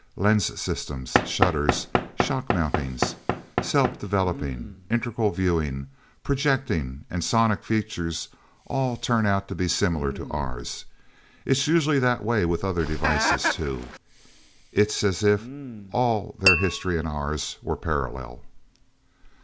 Lens systems, shutters, shock mountings, self developing, integral viewing, projecting and sonic features, all turn out to be similar to ours. It's usually that way with other devices, too. It's as if all their history, and ours, were parallel."